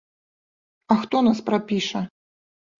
А хто нас прапіша?